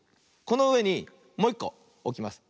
このうえにもういっこおきます。